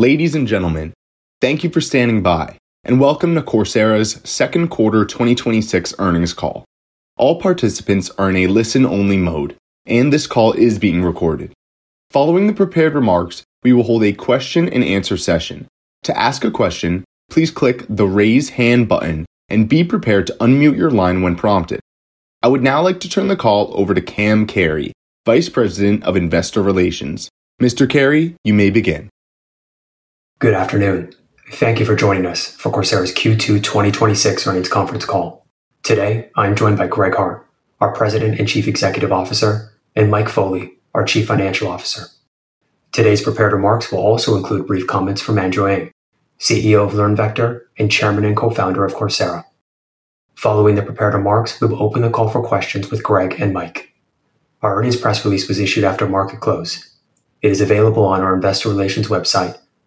Ladies and gentlemen, thank you for standing by and welcome to Coursera's second quarter 2026 earnings call. All participants are in a listen-only mode, and this call is being recorded. Following the prepared remarks, we will hold a question-and-answer session. To ask a question, please click the Raise Hand button and be prepared to unmute your line when prompted. I would now like to turn the call over to Cam Carey, Vice President of Investor Relations. Mr. Carey, you may begin. Good afternoon. Thank you for joining us for Coursera's Q2 2026 earnings conference call. Today, I'm joined by Greg Hart, our President and Chief Executive Officer, and Mike Foley, our Chief Financial Officer. Today's prepared remarks will also include brief comments from Andrew Ng, CEO of LearnVector and Chairman and Co-founder of Coursera. Following the prepared remarks, we will open the call for questions with Greg and Mike. Our earnings press release was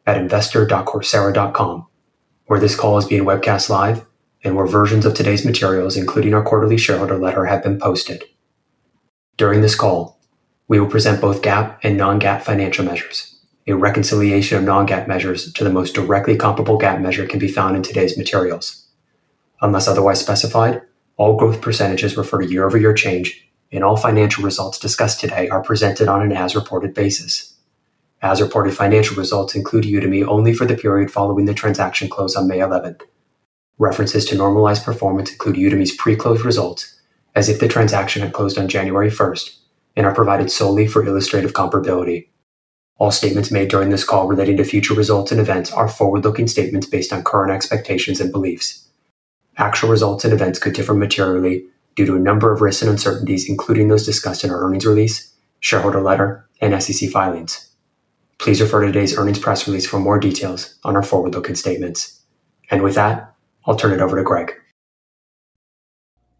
issued after market close. It is available on our investor relations website at investor.coursera.com, where this call is being webcast live and where versions of today's materials, including our quarterly shareholder letter, have been posted. During this call, we will present both GAAP and non-GAAP financial measures. A reconciliation of non-GAAP measures to the most directly comparable GAAP measure can be found in today's materials. Unless otherwise specified, all growth percentages refer to year-over-year change, and all financial results discussed today are presented on an as-reported basis. As-reported financial results include Udemy only for the period following the transaction close on May 11th. References to normalized performance include Udemy's pre-close results as if the transaction had closed on January 1st and are provided solely for illustrative comparability. All statements made during this call relating to future results and events are forward-looking statements based on current expectations and beliefs. Actual results and events could differ materially due to a number of risks and uncertainties, including those discussed in our earnings release, shareholder letter, and SEC filings. Please refer to today's earnings press release for more details on our forward-looking statements. With that, I'll turn it over to Greg.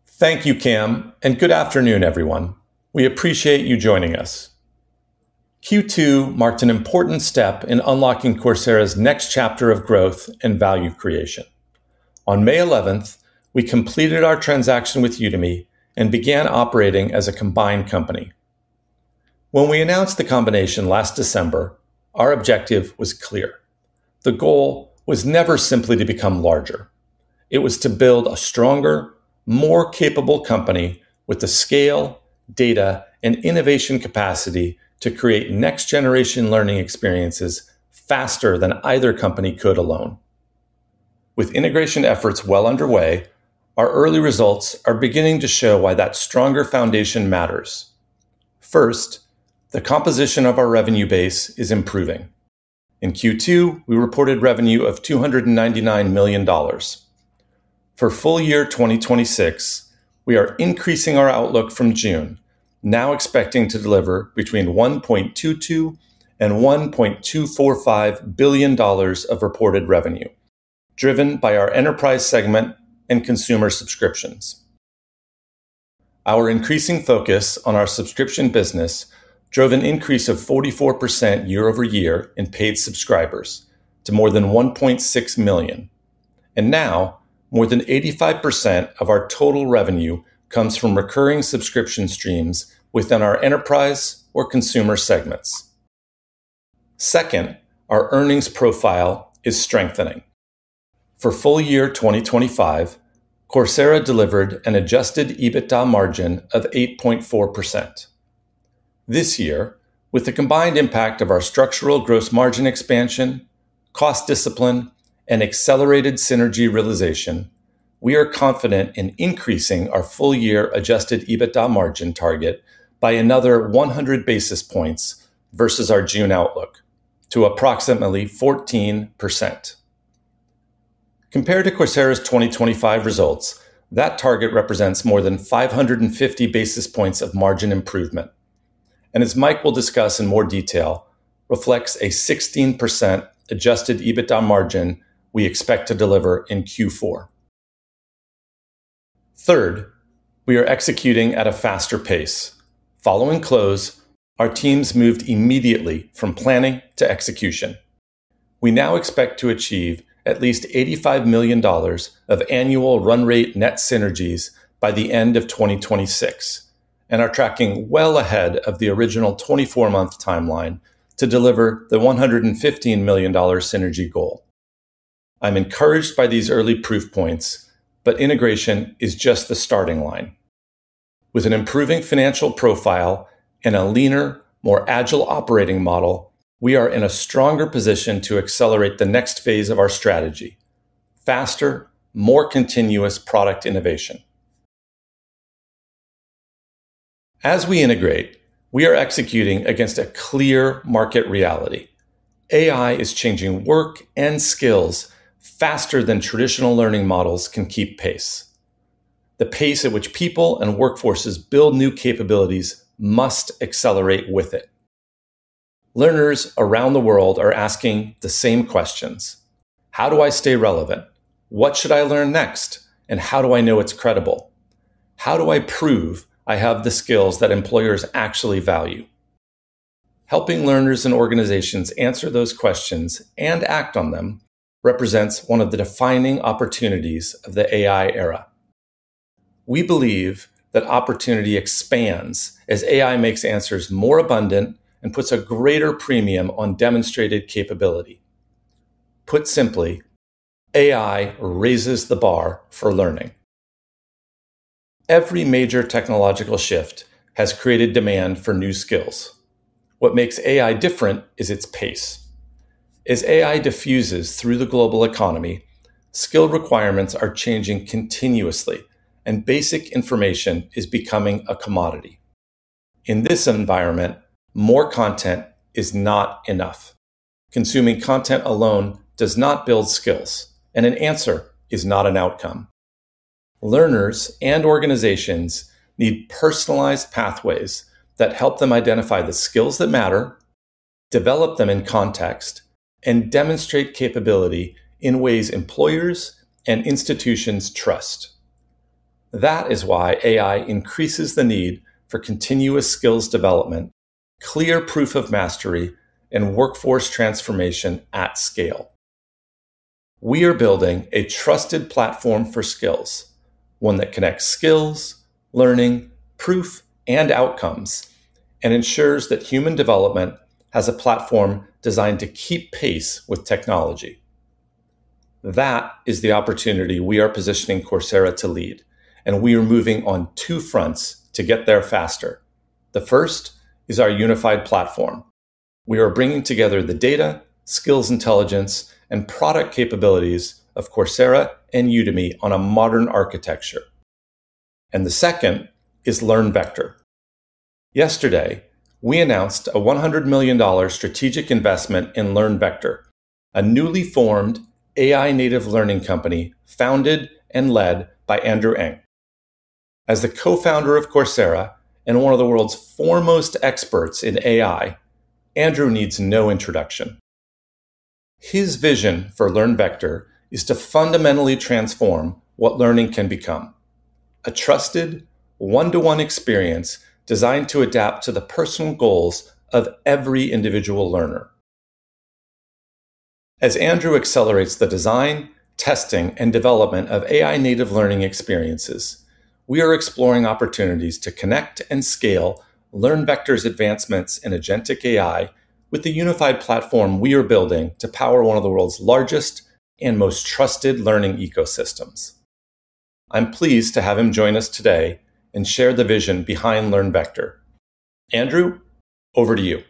Thank you, Cam, and good afternoon, everyone. We appreciate you joining us. Q2 marked an important step in unlocking Coursera's next chapter of growth and value creation. On May 11th, we completed our transaction with Udemy and began operating as a combined company. When we announced the combination last December, our objective was clear. The goal was never simply to become larger. It was to build a stronger, more capable company with the scale, data, and innovation capacity to create next-generation learning experiences faster than either company could alone. With integration efforts well underway, our early results are beginning to show why that stronger foundation matters. First, the composition of our revenue base is improving. In Q2, we reported revenue of $299 million. For full year 2026, we are increasing our outlook from June, now expecting to deliver between $1.22 billion and $1.245 billion of reported revenue, driven by our enterprise segment and consumer subscriptions. Our increasing focus on our subscription business drove an increase of 44% year-over-year in paid subscribers to more than 1.6 million. Now more than 85% of our total revenue comes from recurring subscription streams within our enterprise or consumer segments. Second, our earnings profile is strengthening. For full year 2025, Coursera delivered an adjusted EBITDA margin of 8.4%. This year, with the combined impact of our structural gross margin expansion, cost discipline, and accelerated synergy realization, we are confident in increasing our full-year adjusted EBITDA margin target by another 100 basis points versus our June outlook to approximately 14%. Compared to Coursera's 2025 results, that target represents more than 550 basis points of margin improvement. As Mike will discuss in more detail, reflects a 16% adjusted EBITDA margin we expect to deliver in Q4. Third, we are executing at a faster pace. Following close, our teams moved immediately from planning to execution. We now expect to achieve at least $85 million of annual run rate net synergies by the end of 2026 and are tracking well ahead of the original 24-month timeline to deliver the $115 million synergy goal. I'm encouraged by these early proof points, but integration is just the starting line. With an improving financial profile and a leaner, more agile operating model, we are in a stronger position to accelerate the next phase of our strategy. Faster, more continuous product innovation. As we integrate, we are executing against a clear market reality. AI is changing work and skills faster than traditional learning models can keep pace. The pace at which people and workforces build new capabilities must accelerate with it. Learners around the world are asking the same questions. How do I stay relevant? What should I learn next? How do I know it's credible? How do I prove I have the skills that employers actually value? Helping learners and organizations answer those questions and act on them represents one of the defining opportunities of the AI era. We believe that opportunity expands as AI makes answers more abundant and puts a greater premium on demonstrated capability. Put simply, AI raises the bar for learning. Every major technological shift has created demand for new skills. What makes AI different is its pace. As AI diffuses through the global economy, skill requirements are changing continuously, and basic information is becoming a commodity. In this environment, more content is not enough. Consuming content alone does not build skills. An answer is not an outcome. Learners and organizations need personalized pathways that help them identify the skills that matter, develop them in context, and demonstrate capability in ways employers and institutions trust. That is why AI increases the need for continuous skills development, clear proof of mastery, and workforce transformation at scale. We are building a trusted platform for skills. One that connects skills, learning, proof, and outcomes and ensures that human development has a platform designed to keep pace with technology. That is the opportunity we are positioning Coursera to lead, and we are moving on two fronts to get there faster. The first is our unified platform. We are bringing together the data, skills intelligence, and product capabilities of Coursera and Udemy on a modern architecture. The second is LearnVector. Yesterday, we announced a $100 million strategic investment in LearnVector, a newly formed AI-native learning company founded and led by Andrew Ng. As the co-founder of Coursera and one of the world's foremost experts in AI, Andrew needs no introduction. His vision for LearnVector is to fundamentally transform what learning can become. A trusted one-to-one experience designed to adapt to the personal goals of every individual learner. As Andrew accelerates the design, testing, and development of AI-native learning experiences, we are exploring opportunities to connect and scale LearnVector's advancements in agentic AI with the unified platform we are building to power one of the world's largest and most trusted learning ecosystems. I'm pleased to have him join us today and share the vision behind LearnVector. Andrew, over to you.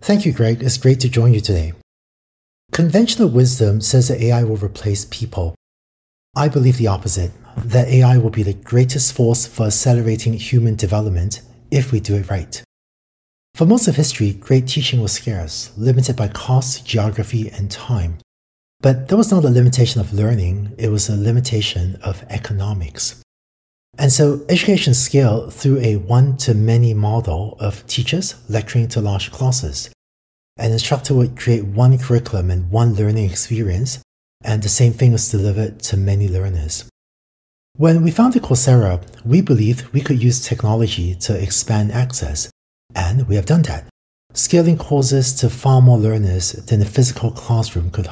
Thank you, Greg. It's great to join you today. Conventional wisdom says that AI will replace people. I believe the opposite, that AI will be the greatest force for accelerating human development if we do it right. For most of history, great teaching was scarce, limited by cost, geography, and time. That was not a limitation of learning, it was a limitation of economics. Education scaled through a one-to-many model of teachers lecturing to large classes. An instructor would create one curriculum and one learning experience, and the same thing was delivered to many learners. When we founded Coursera, we believed we could use technology to expand access and we have done that, scaling courses to far more learners than the physical classroom could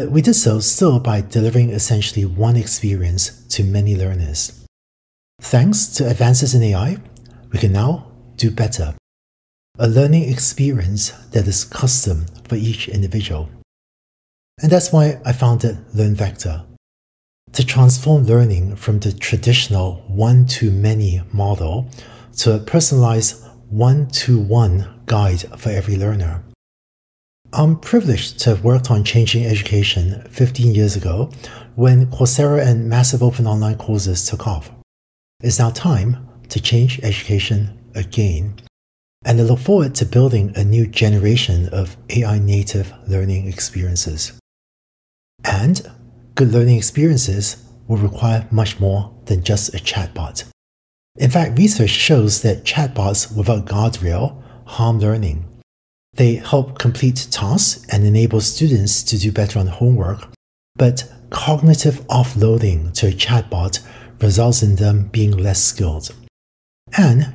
hold. We did so still by delivering essentially one experience to many learners. Thanks to advances in AI, we can now do better. A learning experience that is custom for each individual. That's why I founded LearnVector to transform learning from the traditional one-to-many model to a personalized one-to-one guide for every learner. I'm privileged to have worked on changing education 15 years ago when Coursera and massive open online courses took off. It's now time to change education again and I look forward to building a new generation of AI-native learning experiences. Good learning experiences will require much more than just a chatbot. In fact, research shows that chatbots without guardrail harm learning. They help complete tasks and enable students to do better on homework but cognitive offloading to a chatbot results in them being less skilled.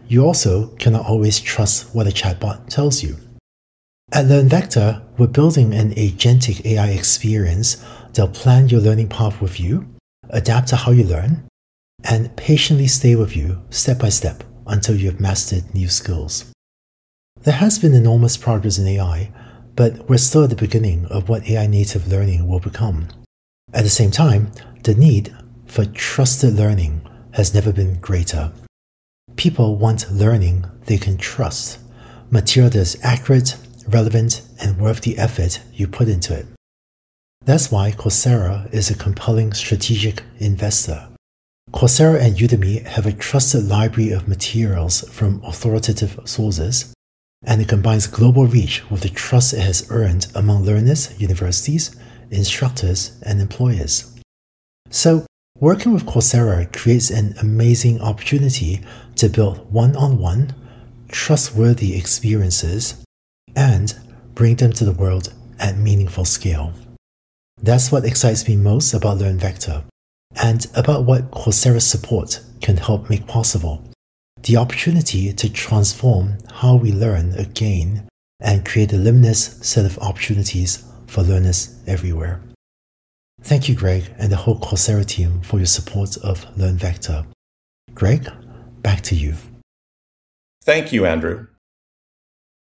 You also cannot always trust what a chatbot tells you. At LearnVector, we're building an agentic AI experience that'll plan your learning path with you, adapt to how you learn, and patiently stay with you step by step until you've mastered new skills. There has been enormous progress in AI but we're still at the beginning of what AI-native learning will become. At the same time, the need for trusted learning has never been greater. People want learning they can trust, material that's accurate, relevant, and worth the effort you put into it. That's why Coursera is a compelling strategic investor. Coursera and Udemy have a trusted library of materials from authoritative sources and it combines global reach with the trust it has earned among learners, universities, instructors, and employers. Working with Coursera creates an amazing opportunity to build one-on-one trustworthy experiences and bring them to the world at meaningful scale. That's what excites me most about LearnVector and about what Coursera's support can help make possible. The opportunity to transform how we learn again and create a limitless set of opportunities for learners everywhere. Thank you, Greg, and the whole Coursera team for your support of LearnVector. Greg, back to you. Thank you, Andrew.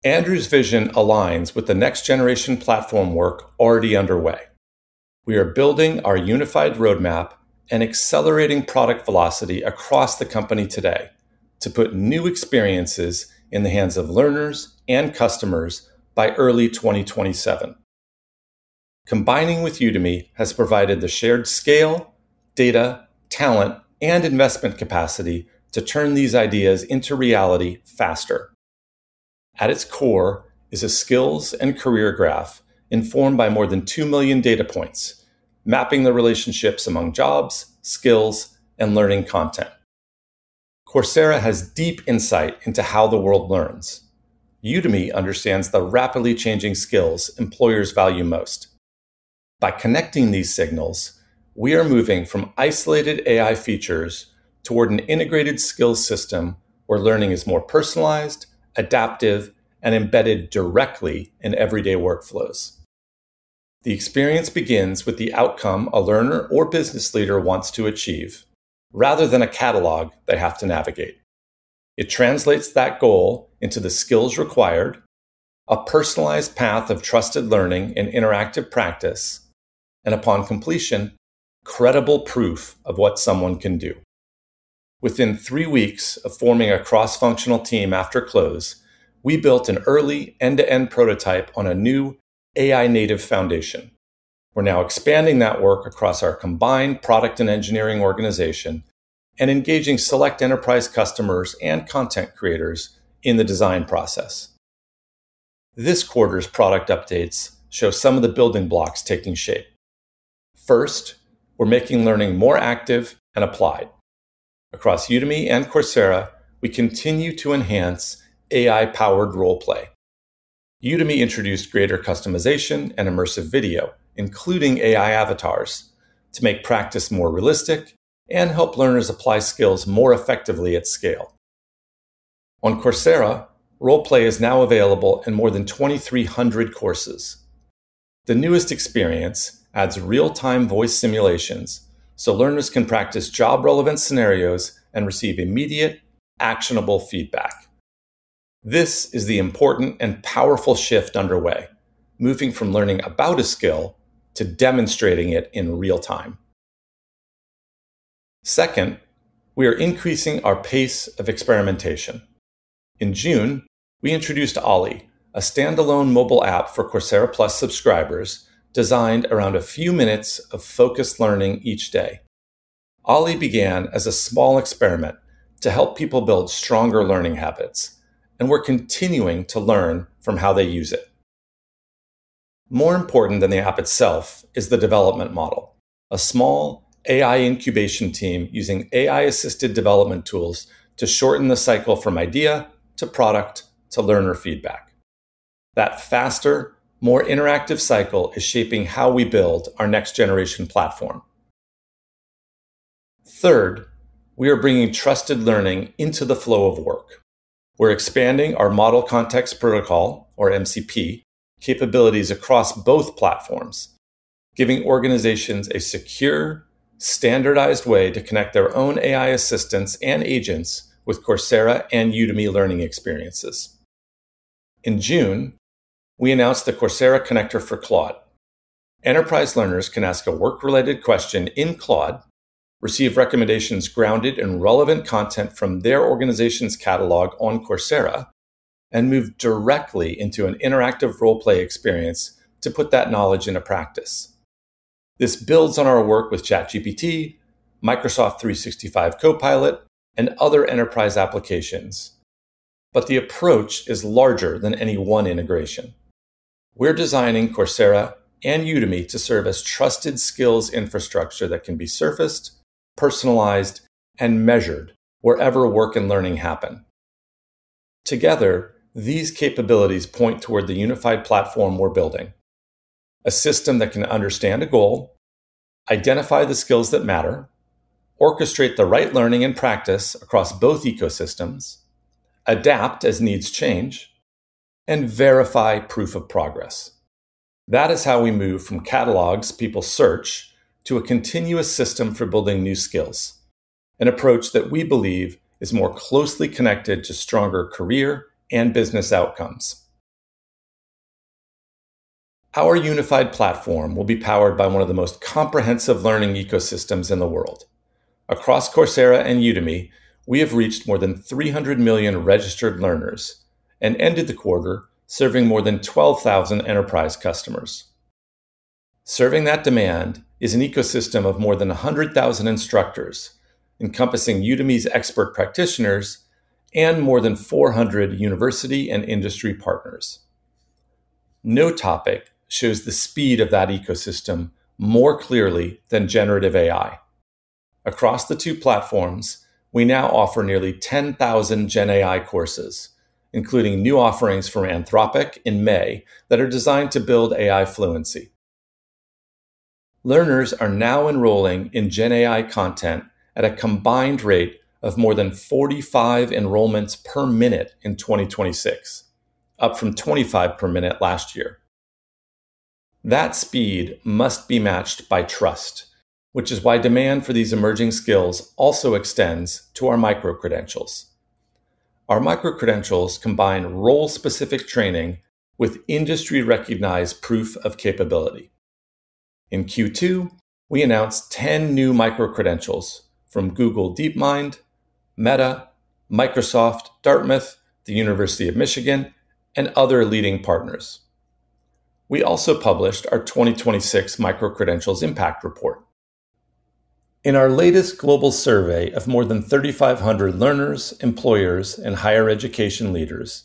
Andrew's vision aligns with the next-generation platform work already underway. We are building our unified roadmap and accelerating product velocity across the company today to put new experiences in the hands of learners and customers by early 2027. Combining with Udemy has provided the shared scale, data, talent, and investment capacity to turn these ideas into reality faster. At its core is a skills and career graph informed by more than 2 million data points, mapping the relationships among jobs, skills, and learning content. Coursera has deep insight into how the world learns. Udemy understands the rapidly changing skills employers value most. By connecting these signals, we are moving from isolated AI features toward an integrated skills system where learning is more personalized, adaptive, and embedded directly in everyday workflows. The experience begins with the outcome a learner or business leader wants to achieve rather than a catalog they have to navigate. It translates that goal into the skills required, a personalized path of trusted learning and interactive practice, and upon completion, credible proof of what someone can do. Within three weeks of forming a cross-functional team after close, we built an early end-to-end prototype on a new AI-native foundation. We're now expanding that work across our combined product and engineering organization and engaging select enterprise customers and content creators in the design process. This quarter's product updates show some of the building blocks taking shape. First, we're making learning more active and applied. Across Udemy and Coursera, we continue to enhance AI-powered Role Play. Udemy introduced greater customization and immersive video, including AI avatars, to make practice more realistic and help learners apply skills more effectively at scale. On Coursera, Role Play is now available in more than 2,300 courses. The newest experience adds real-time voice simulations so learners can practice job-relevant scenarios and receive immediate, actionable feedback. This is the important and powerful shift underway, moving from learning about a skill to demonstrating it in real time. Second, we are increasing our pace of experimentation. In June, we introduced Ollie, a standalone mobile app for Coursera Plus subscribers designed around a few minutes of focused learning each day. Ollie began as a small experiment to help people build stronger learning habits, and we're continuing to learn from how they use it. More important than the app itself is the development model, a small AI incubation team using AI-assisted development tools to shorten the cycle from idea to product to learner feedback. That faster, more interactive cycle is shaping how we build our next-generation platform. Third, we are bringing trusted learning into the flow of work. We're expanding our Model Context Protocol, or MCP, capabilities across both platforms, giving organizations a secure, standardized way to connect their own AI assistants and agents with Coursera and Udemy learning experiences. In June, we announced the Coursera Connector for Claude. Enterprise learners can ask a work-related question in Claude, receive recommendations grounded in relevant content from their organization's catalog on Coursera, and move directly into an interactive role-play experience to put that knowledge into practice. This builds on our work with ChatGPT, Microsoft 365 Copilot, and other enterprise applications. The approach is larger than any one integration. We're designing Coursera and Udemy to serve as trusted skills infrastructure that can be surfaced, personalized, and measured wherever work and learning happen. Together, these capabilities point toward the unified platform we're building, a system that can understand a goal, identify the skills that matter, orchestrate the right learning and practice across both ecosystems, adapt as needs change, and verify proof of progress. That is how we move from catalogs people search to a continuous system for building new skills, an approach that we believe is more closely connected to stronger career and business outcomes. Our unified platform will be powered by one of the most comprehensive learning ecosystems in the world. Across Coursera and Udemy, we have reached more than 300 million registered learners and ended the quarter serving more than 12,000 enterprise customers. Serving that demand is an ecosystem of more than 100,000 instructors encompassing Udemy's expert practitioners and more than 400 university and industry partners. No topic shows the speed of that ecosystem more clearly than generative AI. Across the two platforms, we now offer nearly 10,000 GenAI courses, including new offerings from Anthropic in May that are designed to build AI fluency. Learners are now enrolling in GenAI content at a combined rate of more than 45 enrollments per minute in 2026, up from 25 per minute last year. That speed must be matched by trust, which is why demand for these emerging skills also extends to our micro-credentials. Our micro-credentials combine role-specific training with industry-recognized proof of capability. In Q2, we announced 10 new micro-credentials from Google DeepMind, Meta, Microsoft, Dartmouth, the University of Michigan, and other leading partners. We also published our 2026 micro-credentials impact report. In our latest global survey of more than 3,500 learners, employers, and higher education leaders,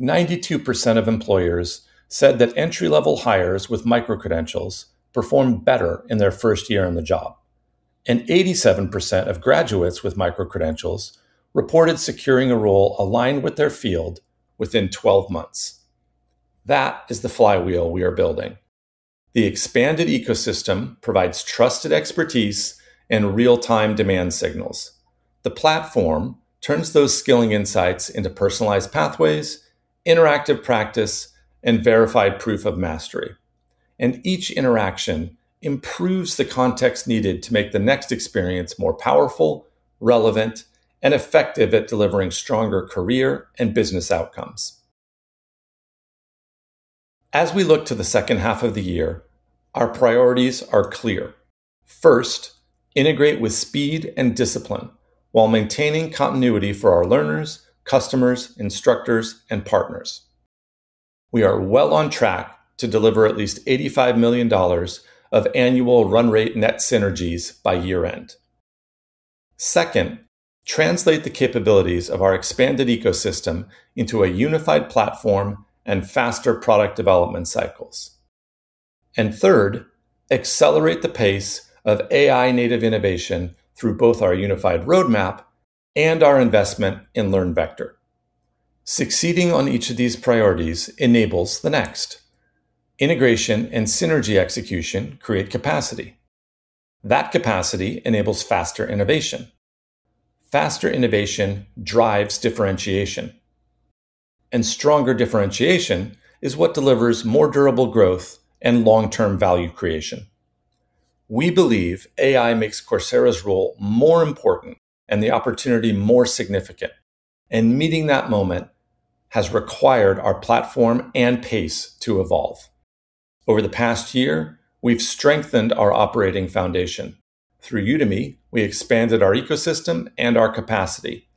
92% of employers said that entry-level hires with micro-credentials performed better in their first year on the job, and 87% of graduates with micro-credentials reported securing a role aligned with their field within 12 months. That is the flywheel we are building. The expanded ecosystem provides trusted expertise and real-time demand signals. The platform turns those skilling insights into personalized pathways, interactive practice, and verified proof of mastery. Each interaction improves the context needed to make the next experience more powerful, relevant, and effective at delivering stronger career and business outcomes. As we look to the second half of the year, our priorities are clear. First, integrate with speed and discipline while maintaining continuity for our learners, customers, instructors, and partners. We are well on track to deliver at least $85 million of annual run rate net synergies by year end. Second, translate the capabilities of our expanded ecosystem into a unified platform and faster product development cycles. Third, accelerate the pace of AI-native innovation through both our unified roadmap and our investment in LearnVector. Succeeding on each of these priorities enables the next. Integration and synergy execution create capacity. That capacity enables faster innovation. Faster innovation drives differentiation, and stronger differentiation is what delivers more durable growth and long-term value creation. We believe AI makes Coursera's role more important and the opportunity more significant. Meeting that moment has required our platform and pace to evolve. Over the past year, we've strengthened our operating foundation. Through Udemy, we expanded our ecosystem and our capacity.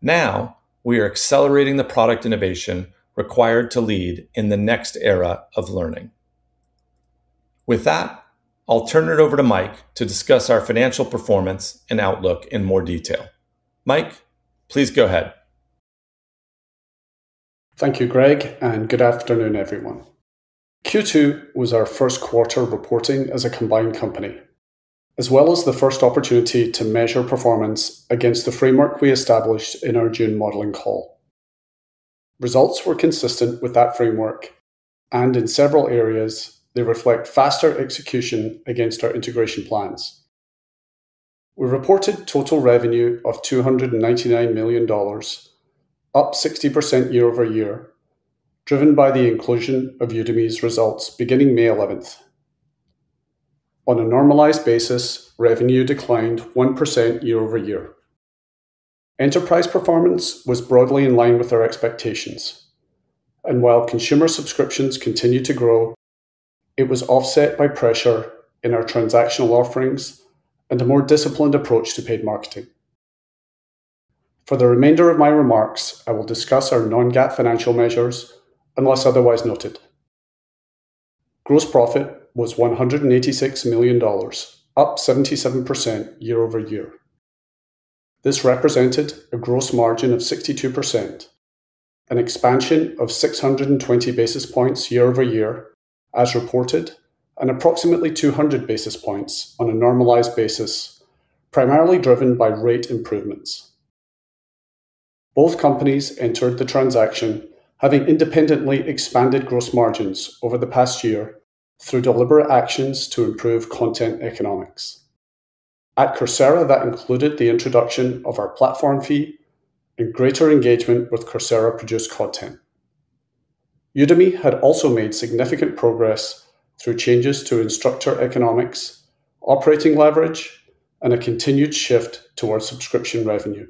Now, we are accelerating the product innovation required to lead in the next era of learning. With that, I'll turn it over to Mike to discuss our financial performance and outlook in more detail. Mike, please go ahead. Thank you, Greg. Good afternoon, everyone. Q2 was our first quarter reporting as a combined company, as well as the first opportunity to measure performance against the framework we established in our June modeling call. Results were consistent with that framework. In several areas, they reflect faster execution against our integration plans. We reported total revenue of $299 million, up 60% year-over-year, driven by the inclusion of Udemy's results beginning May 11th. On a normalized basis, revenue declined 1% year-over-year. Enterprise performance was broadly in line with our expectations. While consumer subscriptions continue to grow, it was offset by pressure in our transactional offerings and a more disciplined approach to paid marketing. For the remainder of my remarks, I will discuss our non-GAAP financial measures unless otherwise noted. Gross profit was $186 million, up 77% year-over-year. This represented a gross margin of 62%, an expansion of 620 basis points year-over-year, as reported, and approximately 200 basis points on a normalized basis, primarily driven by rate improvements. Both companies entered the transaction having independently expanded gross margins over the past year through deliberate actions to improve content economics. At Coursera, that included the introduction of our platform fee and greater engagement with Coursera-produced content. Udemy had also made significant progress through changes to instructor economics, operating leverage, and a continued shift towards subscription revenue.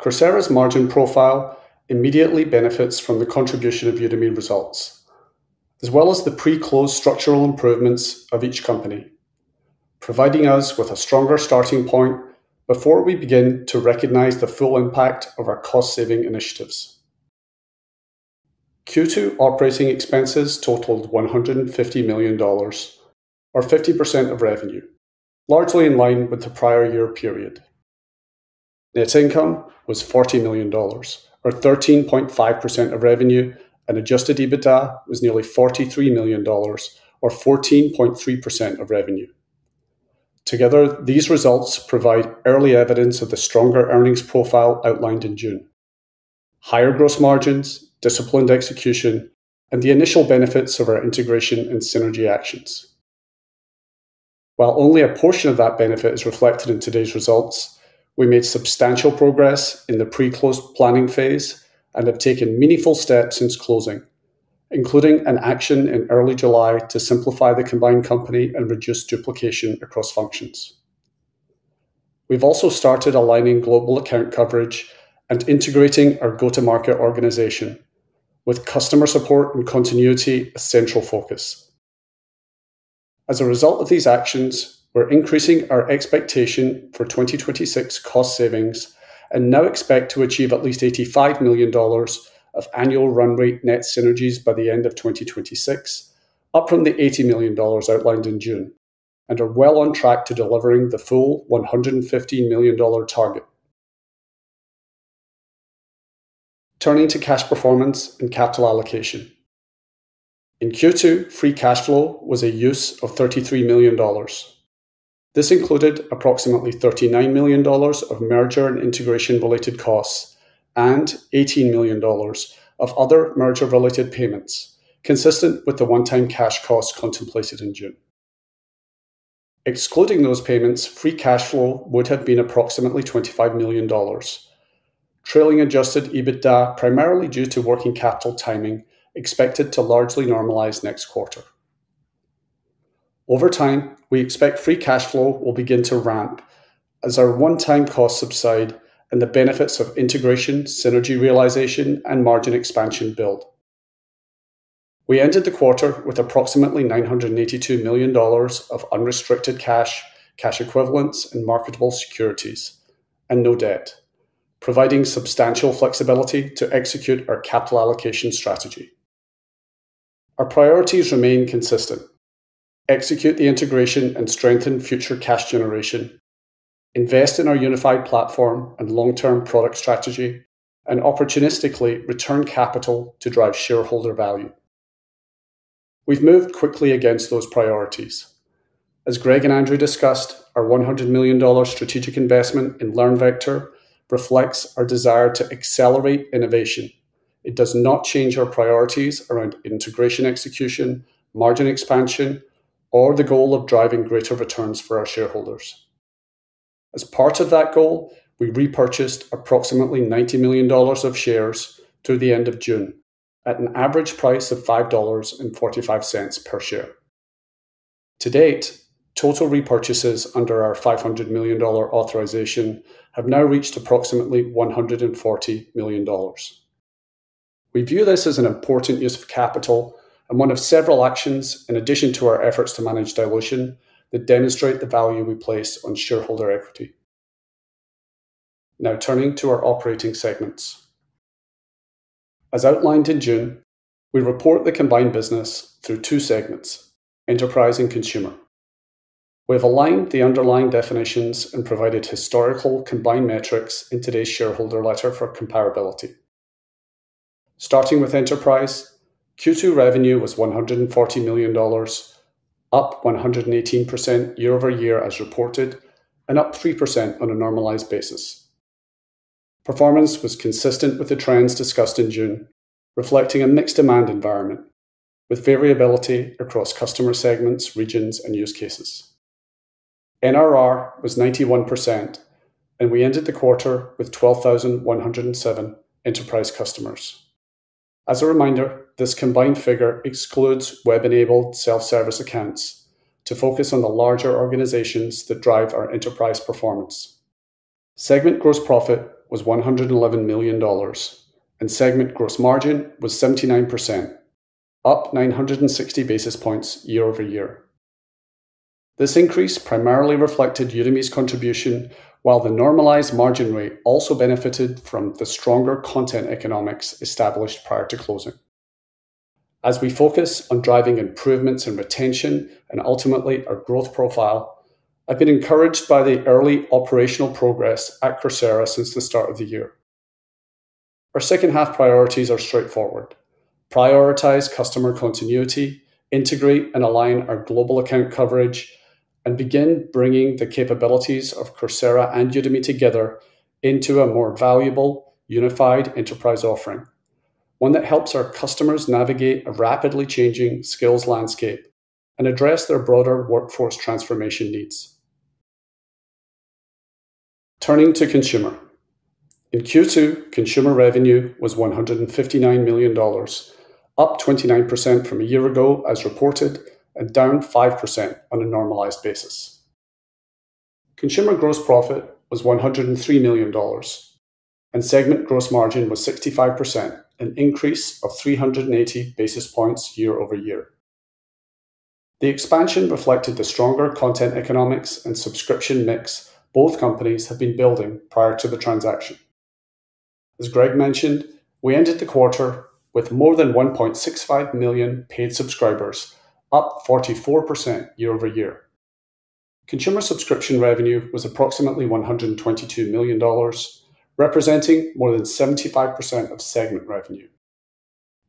Coursera's margin profile immediately benefits from the contribution of Udemy results, as well as the pre-close structural improvements of each company, providing us with a stronger starting point before we begin to recognize the full impact of our cost-saving initiatives. Q2 operating expenses totaled $150 million, or 50% of revenue, largely in line with the prior year period. Net income was $40 million, or 13.5% of revenue, and adjusted EBITDA was nearly $43 million, or 14.3% of revenue. Together, these results provide early evidence of the stronger earnings profile outlined in June. Higher gross margins, disciplined execution, and the initial benefits of our integration and synergy actions. While only a portion of that benefit is reflected in today's results, we made substantial progress in the pre-close planning phase and have taken meaningful steps since closing, including an action in early July to simplify the combined company and reduce duplication across functions. We've also started aligning global account coverage and integrating our go-to-market organization with customer support and continuity a central focus. As a result of these actions, we're increasing our expectation for 2026 cost savings and now expect to achieve at least $85 million of annual run rate net synergies by the end of 2026, up from the $80 million outlined in June, and are well on track to delivering the full $150 million target. Turning to cash performance and capital allocation. In Q2, free cash flow was a use of $33 million. This included approximately $39 million of merger and integration-related costs and $18 million of other merger-related payments, consistent with the one-time cash costs contemplated in June. Excluding those payments, free cash flow would have been approximately $25 million. Trailing adjusted EBITDA, primarily due to working capital timing, expected to largely normalize next quarter. Over time, we expect free cash flow will begin to ramp as our one-time costs subside and the benefits of integration, synergy realization, and margin expansion build. We ended the quarter with approximately $982 million of unrestricted cash equivalents, and marketable securities, and no debt, providing substantial flexibility to execute our capital allocation strategy. Our priorities remain consistent, execute the integration and strengthen future cash generation, invest in our unified platform and long-term product strategy, and opportunistically return capital to drive shareholder value. We've moved quickly against those priorities. As Greg and Andrew discussed, our $100 million strategic investment in LearnVector reflects our desire to accelerate innovation. It does not change our priorities around integration execution, margin expansion, or the goal of driving greater returns for our shareholders. As part of that goal, we repurchased approximately $90 million of shares through the end of June at an average price of $5.45 per share. To date, total repurchases under our $500 million authorization have now reached approximately $140 million. We view this as an important use of capital and one of several actions in addition to our efforts to manage dilution that demonstrate the value we place on shareholder equity. Now turning to our operating segments. As outlined in June, we report the combined business through two segments, Enterprise and Consumer. We've aligned the underlying definitions and provided historical combined metrics in today's shareholder letter for comparability. Starting with Enterprise, Q2 revenue was $140 million, up 118% year-over-year as reported and up 3% on a normalized basis. Performance was consistent with the trends discussed in June, reflecting a mixed demand environment with variability across customer segments, regions, and use cases. NRR was 91%, and we ended the quarter with 12,107 enterprise customers. As a reminder, this combined figure excludes web-enabled self-service accounts to focus on the larger organizations that drive our enterprise performance. Segment gross profit was $111 million, and segment gross margin was 79%, up 960 basis points year-over-year. This increase primarily reflected Udemy's contribution, while the normalized margin rate also benefited from the stronger content economics established prior to closing. As we focus on driving improvements in retention and ultimately our growth profile, I've been encouraged by the early operational progress at Coursera since the start of the year. Our second-half priorities are straightforward, prioritize customer continuity, integrate and align our global account coverage, and begin bringing the capabilities of Coursera and Udemy together into a more valuable unified enterprise offering. One that helps our customers navigate a rapidly changing skills landscape and address their broader workforce transformation needs. Turning to Consumer. In Q2, Consumer revenue was $159 million, up 29% from a year ago as reported, and down 5% on a normalized basis. Consumer gross profit was $103 million, and segment gross margin was 65%, an increase of 380 basis points year-over-year. The expansion reflected the stronger content economics and subscription mix both companies have been building prior to the transaction. As Greg mentioned, we ended the quarter with more than 1.65 million paid subscribers, up 44% year-over-year. Consumer subscription revenue was approximately $122 million, representing more than 75% of segment revenue.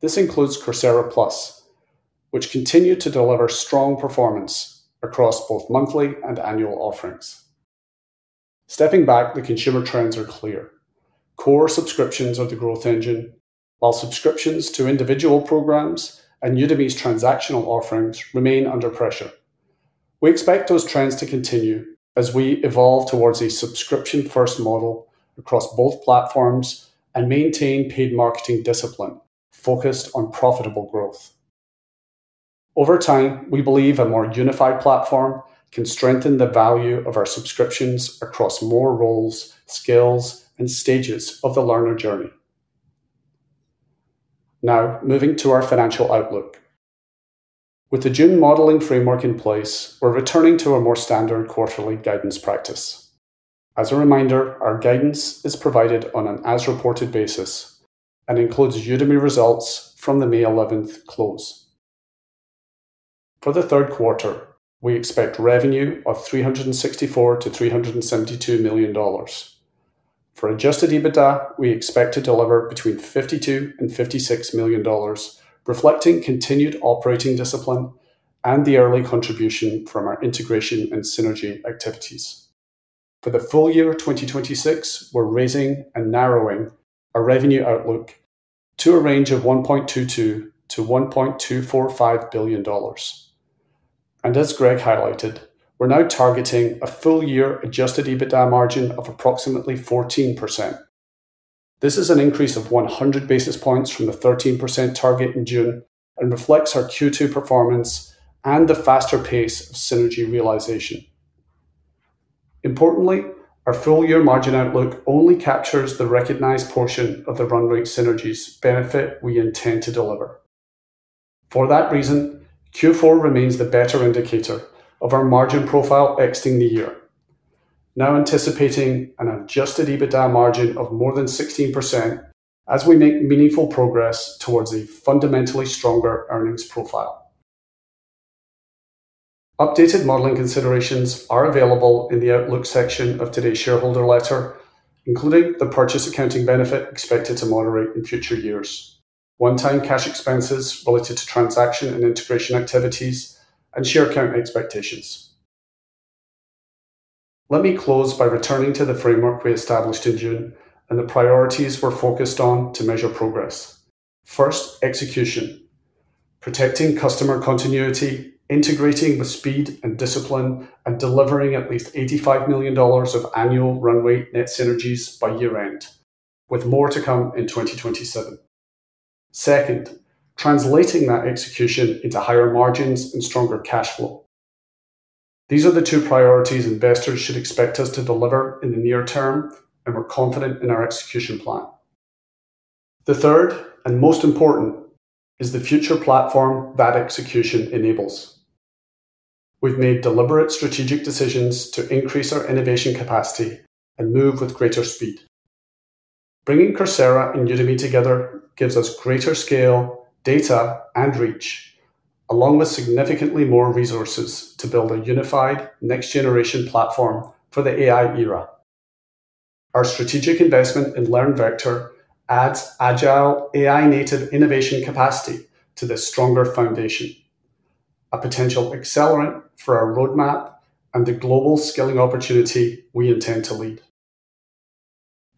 This includes Coursera Plus, which continued to deliver strong performance across both monthly and annual offerings. Stepping back, the consumer trends are clear. Core subscriptions are the growth engine, while subscriptions to individual programs and Udemy's transactional offerings remain under pressure. We expect those trends to continue as we evolve towards a subscription-first model across both platforms and maintain paid marketing discipline focused on profitable growth. Over time, we believe a more unified platform can strengthen the value of our subscriptions across more roles, skills, and stages of the learner journey. Moving to our financial outlook. With the June modeling framework in place, we're returning to a more standard quarterly guidance practice. As a reminder, our guidance is provided on an as-reported basis and includes Udemy results from the May 11th close. For the third quarter, we expect revenue of $364 million-$372 million. For adjusted EBITDA, we expect to deliver between $52 million and $56 million, reflecting continued operating discipline and the early contribution from our integration and synergy activities. For the full-year 2026, we're raising and narrowing our revenue outlook to a range of $1.22 billion-$1.245 billion. As Greg highlighted, we're now targeting a full-year adjusted EBITDA margin of approximately 14%. This is an increase of 100 basis points from the 13% target in June and reflects our Q2 performance and the faster pace of synergy realization. Importantly, our full-year margin outlook only captures the recognized portion of the run rate synergies benefit we intend to deliver. For that reason, Q4 remains the better indicator of our margin profile exiting the year, now anticipating an adjusted EBITDA margin of more than 16% as we make meaningful progress towards a fundamentally stronger earnings profile. Updated modeling considerations are available in the outlook section of today's shareholder letter, including the purchase accounting benefit expected to moderate in future years, one-time cash expenses related to transaction and integration activities, and share count expectations. Let me close by returning to the framework we established in June and the priorities we're focused on to measure progress. First, execution, protecting customer continuity, integrating with speed and discipline, and delivering at least $85 million of annual run rate net synergies by year-end, with more to come in 2027. Second, translating that execution into higher margins and stronger cash flow. These are the two priorities investors should expect us to deliver in the near term, and we're confident in our execution plan. The third, and most important, is the future platform that execution enables. We've made deliberate strategic decisions to increase our innovation capacity and move with greater speed. Bringing Coursera and Udemy together gives us greater scale, data, and reach, along with significantly more resources to build a unified next-generation platform for the AI era. Our strategic investment in LearnVector adds agile AI-native innovation capacity to this stronger foundation, a potential accelerant for our roadmap and the global skilling opportunity we intend to lead.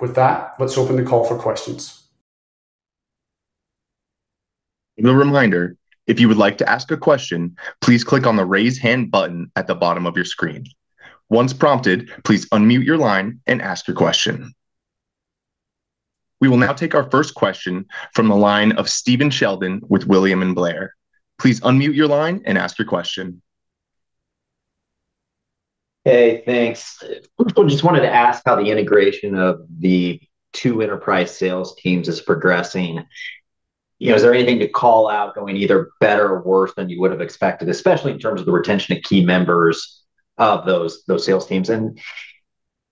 With that, let's open the call for questions. A reminder, if you would like to ask a question, please click on the Raise Hand button at the bottom of your screen. Once prompted, please unmute your line and ask your question. We will now take our first question from the line of Stephen Sheldon with William Blair. Please unmute your line and ask your question. Hey, thanks. Just wanted to ask how the integration of the two enterprise sales teams is progressing. Is there anything to call out going either better or worse than you would have expected, especially in terms of the retention of key members of those sales teams?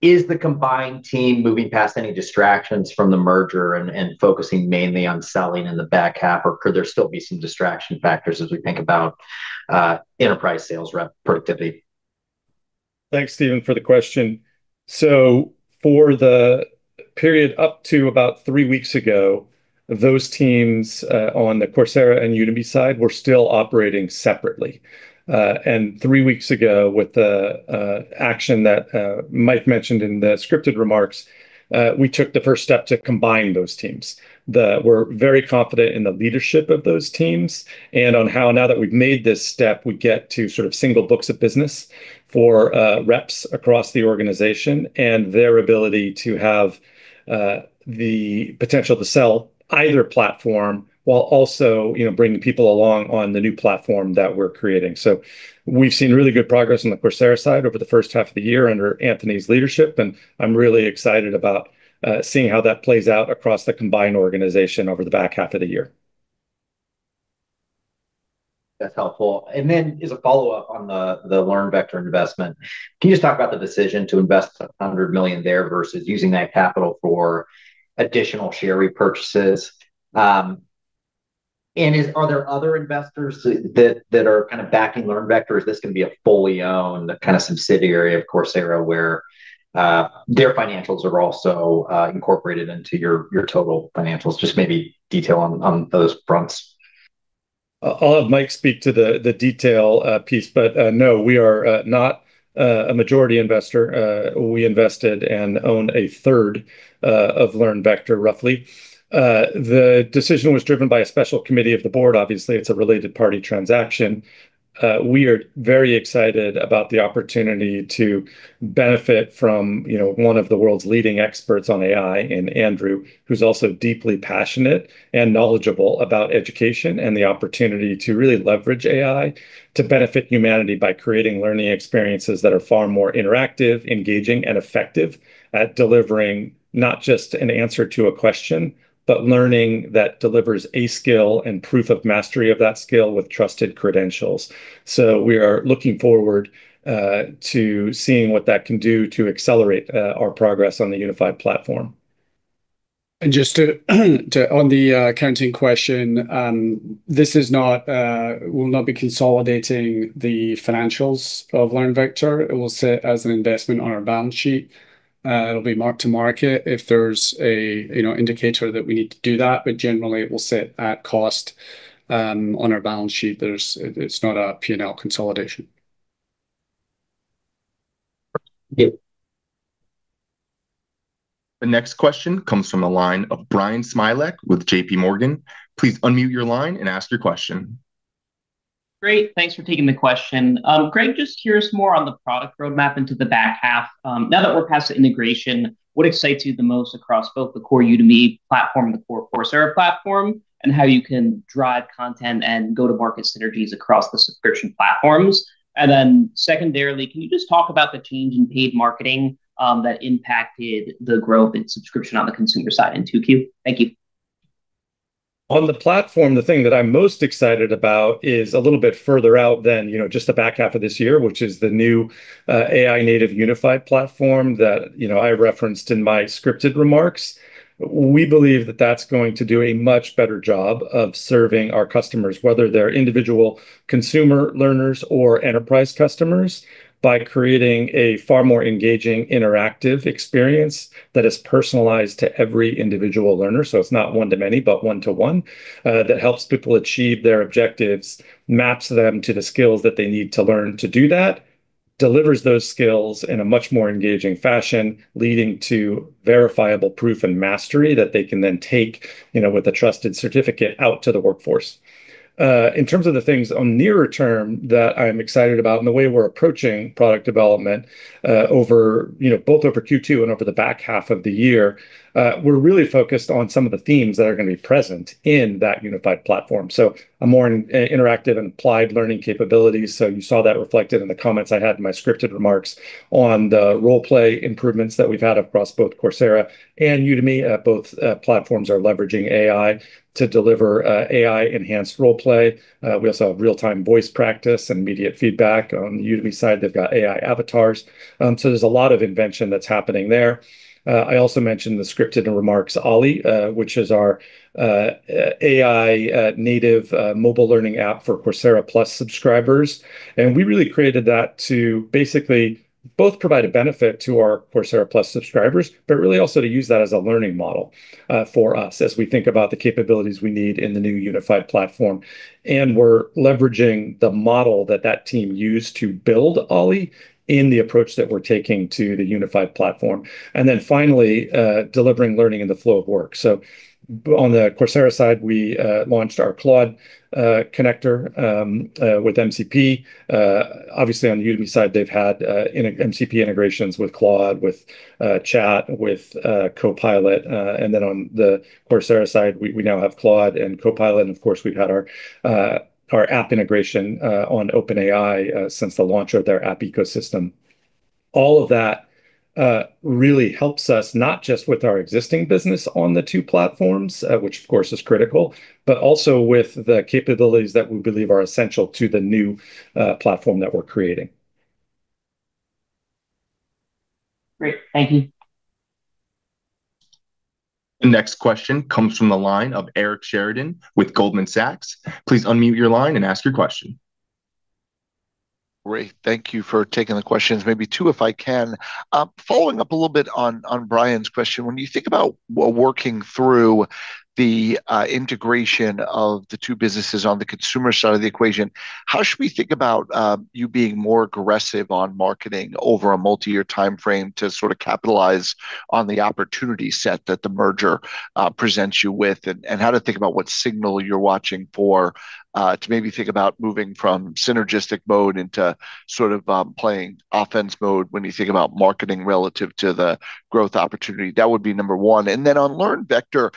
Is the combined team moving past any distractions from the merger and focusing mainly on selling in the back half, or could there still be some distraction factors as we think about enterprise sales rep productivity? Thanks, Stephen, for the question. For the period up to about three weeks ago, those teams on the Coursera and Udemy side were still operating separately. Three weeks ago, with the action that Mike mentioned in the scripted remarks, we took the first step to combine those teams. We're very confident in the leadership of those teams and on how now that we've made this step, we get to sort of single books of business for reps across the organization and their ability to have the potential to sell either platform while also bringing people along on the new platform that we're creating. We've seen really good progress on the Coursera side over the first half of the year under Anthony's leadership, and I'm really excited about seeing how that plays out across the combined organization over the back half of the year. That's helpful. As a follow-up on the LearnVector investment, can you just talk about the decision to invest $100 million there versus using that capital for additional share repurchases? Are there other investors that are kind of backing LearnVector? Is this going to be a fully owned kind of subsidiary of Coursera where their financials are also incorporated into your total financials? Just maybe detail on those fronts. I'll have Mike speak to the detail piece, but no, we are not a majority investor. We invested and own 1/3 of LearnVector, roughly. The decision was driven by a special committee of the board. Obviously, it's a related party transaction. We are very excited about the opportunity to benefit from one of the world's leading experts on AI in Andrew, who's also deeply passionate and knowledgeable about education, and the opportunity to really leverage AI to benefit humanity by creating learning experiences that are far more interactive, engaging, and effective at delivering not just an answer to a question, but learning that delivers a skill and proof of mastery of that skill with trusted credentials. We are looking forward to seeing what that can do to accelerate our progress on the unified platform. Just on the accounting question, we'll not be consolidating the financials of LearnVector. It will sit as an investment on our balance sheet. It'll be mark-to-market if there's an indicator that we need to do that, but generally it will sit at cost on our balance sheet. It's not a P&L consolidation. The next question comes from the line of Bryan Smilek with JPMorgan. Please unmute your line and ask your question. Great. Thanks for taking the question. Greg, just curious more on the product roadmap into the back half. Now that we're past the integration, what excites you the most across both the core Udemy platform and the core Coursera platform, and how you can drive content and go-to-market synergies across the subscription platforms? Secondarily, can you just talk about the change in paid marketing that impacted the growth in subscription on the consumer side in 2Q? Thank you. On the platform, the thing that I'm most excited about is a little bit further out than just the back half of this year, which is the new AI-native unified platform that I referenced in my scripted remarks. We believe that that's going to do a much better job of serving our customers, whether they're individual consumer learners or enterprise customers, by creating a far more engaging, interactive experience that is personalized to every individual learner. It's not one-to-many, but one-to-one, that helps people achieve their objectives, maps them to the skills that they need to learn to do that, delivers those skills in a much more engaging fashion, leading to verifiable proof and mastery that they can then take, with a trusted certificate, out to the workforce. In terms of the things on nearer term that I'm excited about and the way we're approaching product development both over Q2 and over the back half of the year, we're really focused on some of the themes that are going to be present in that unified platform. A more interactive and applied learning capabilities. You saw that reflected in the comments I had in my scripted remarks on the Role Play improvements that we've had across both Coursera and Udemy. Both platforms are leveraging AI to deliver AI-enhanced Role Play. We also have real-time voice practice and immediate feedback. On the Udemy side, they've got AI avatars. There's a lot of invention that's happening there. I also mentioned in the scripted remarks Ollie, which is our AI-native mobile learning app for Coursera Plus subscribers. We really created that to basically both provide a benefit to our Coursera Plus subscribers, but really also to use that as a learning model for us as we think about the capabilities we need in the new unified platform. We're leveraging the model that that team used to build Ollie in the approach that we're taking to the unified platform. Finally, delivering learning in the flow of work. On the Coursera side, we launched our Claude connector with MCP. Obviously on the Udemy side, they've had MCP integrations with Claude, with ChatGPT, with Copilot. On the Coursera side, we now have Claude and Copilot. Of course, we've had our app integration on OpenAI since the launch of their app ecosystem. All of that really helps us, not just with our existing business on the two platforms, which of course is critical, but also with the capabilities that we believe are essential to the new platform that we're creating. Great. Thank you. The next question comes from the line of Eric Sheridan with Goldman Sachs. Please unmute your line and ask your question. Great. Thank you for taking the questions. Maybe two, if I can. Following up a little bit on Bryan's question, when you think about working through the integration of the two businesses on the consumer side of the equation, how should we think about you being more aggressive on marketing over a multi-year timeframe to sort of capitalize on the opportunity set that the merger presents you with? How to think about what signal you're watching for to maybe think about moving from synergistic mode into sort of playing offense mode when you think about marketing relative to the growth opportunity. That would be number one. On LearnVector,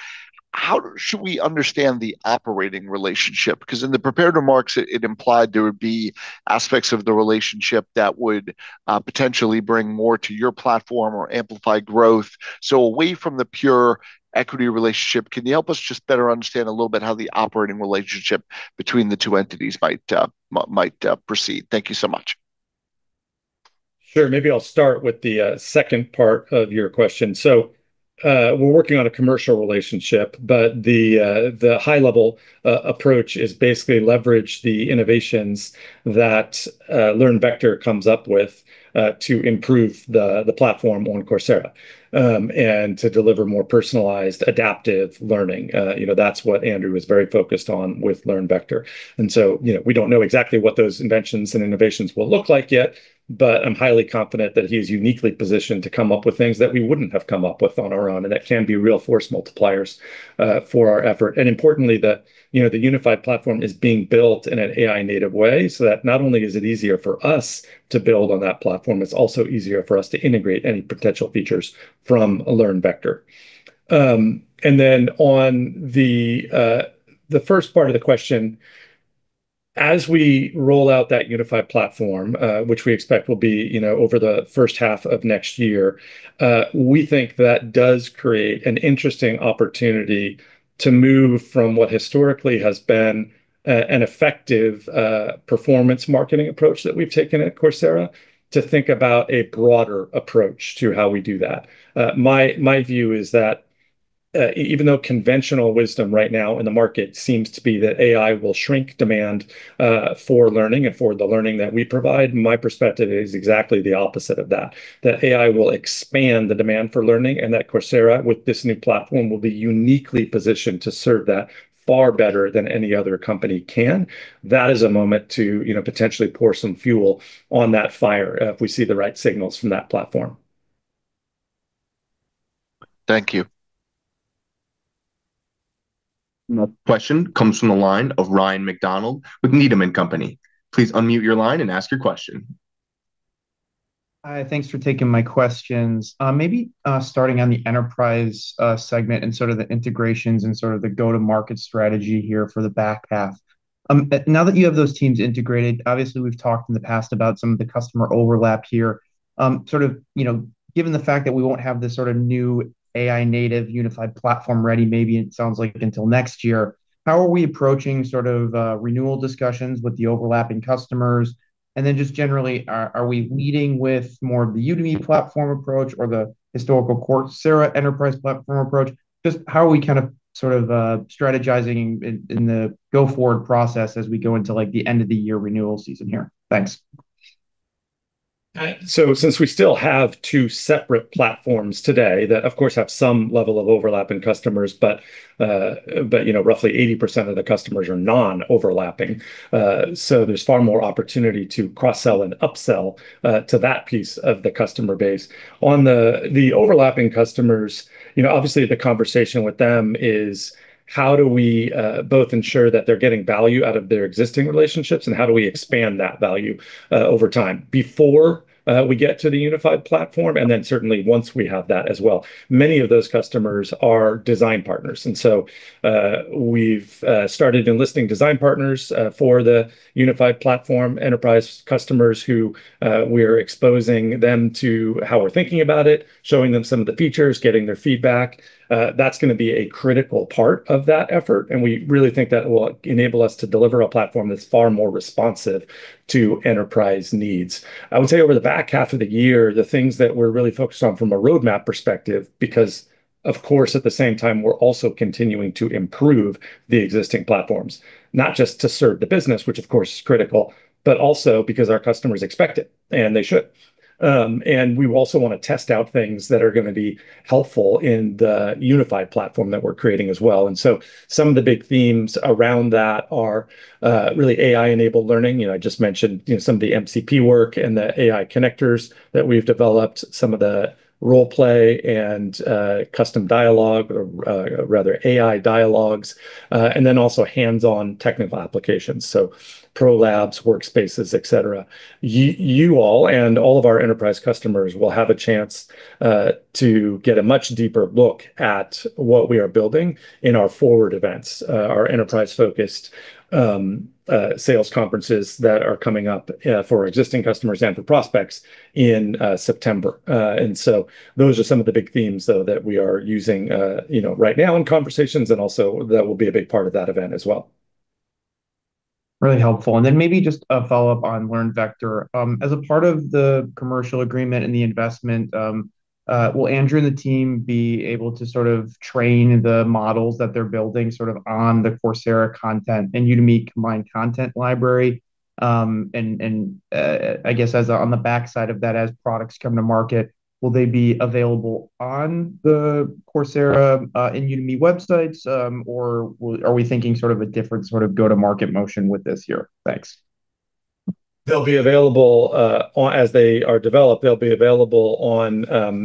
how should we understand the operating relationship? In the prepared remarks, it implied there would be aspects of the relationship that would potentially bring more to your platform or amplify growth. Away from the pure equity relationship, can you help us just better understand a little bit how the operating relationship between the two entities might proceed? Thank you so much. Sure. Maybe I'll start with the second part of your question. We're working on a commercial relationship, but the high-level approach is basically leverage the innovations that LearnVector comes up with to improve the platform on Coursera, and to deliver more personalized adaptive learning. That's what Andrew is very focused on with LearnVector. We don't know exactly what those inventions and innovations will look like yet, but I'm highly confident that he is uniquely positioned to come up with things that we wouldn't have come up with on our own, and that can be real force multipliers for our effort. Importantly, the unified platform is being built in an AI-native way, so that not only is it easier for us to build on that platform, it's also easier for us to integrate any potential features from LearnVector. On the first part of the question, as we roll out that unified platform, which we expect will be over the first half of next year, we think that does create an interesting opportunity to move from what historically has been an effective performance marketing approach that we've taken at Coursera to think about a broader approach to how we do that. My view is that even though conventional wisdom right now in the market seems to be that AI will shrink demand for learning and for the learning that we provide, my perspective is exactly the opposite of that AI will expand the demand for learning, and that Coursera, with this new platform, will be uniquely positioned to serve that far better than any other company can. That is a moment to potentially pour some fuel on that fire if we see the right signals from that platform. Thank you. Another question comes from the line of Ryan MacDonald with Needham & Company. Please unmute your line and ask your question. Hi, thanks for taking my questions. Maybe starting on the Enterprise segment and sort of the integrations and sort of the go-to market strategy here for the back half. Now that you have those teams integrated, obviously we've talked in the past about some of the customer overlap here. Given the fact that we won't have this sort of new AI-native unified platform ready, maybe it sounds like until next year, how are we approaching sort of renewal discussions with the overlapping customers? And then just generally, are we leading with more of the Udemy platform approach or the historical Coursera Enterprise platform approach? Just how are we kind of sort of strategizing in the go forward process as we go into the end of the year renewal season here? Thanks. Since we still have two separate platforms today that of course, have some level of overlap in customers, but roughly 80% of the customers are non-overlapping. There's far more opportunity to cross-sell and upsell to that piece of the customer base. On the overlapping customers, obviously the conversation with them is how do we both ensure that they're getting value out of their existing relationships and how do we expand that value over time before we get to the unified platform, and then certainly once we have that as well. Many of those customers are design partners and so we've started enlisting design partners for the unified platform Enterprise customers who we are exposing them to how we're thinking about it, showing them some of the features, getting their feedback. That's going to be a critical part of that effort, and we really think that will enable us to deliver a platform that's far more responsive to enterprise needs. I would say over the back half of the year, the things that we're really focused on from a roadmap perspective, because of course, at the same time, we're also continuing to improve the existing platforms, not just to serve the business, which of course is critical, but also because our customers expect it, and they should. We also want to test out things that are going to be helpful in the unified platform that we're creating as well. Some of the big themes around that are really AI-enabled learning. I just mentioned some of the MCP work and the AI connectors that we've developed, some of the role play and custom dialogue or rather AI dialogues, and then also hands-on technical applications. Pro labs, workspaces, et cetera. You all and all of our enterprise customers will have a chance to get a much deeper look at what we are building in our forward events, our enterprise-focused sales conferences that are coming up for existing customers and for prospects in September. Those are some of the big themes though that we are using right now in conversations. Also, that will be a big part of that event as well. Really helpful. Maybe just a follow-up on LearnVector. As a part of the commercial agreement and the investment, will Andrew and the team be able to sort of train the models that they're building sort of on the Coursera content and Udemy combined content library? I guess on the backside of that, as products come to market, will they be available on the Coursera and Udemy websites or are we thinking sort of a different sort of go-to-market motion with this here? Thanks. As they are developed, they'll be available on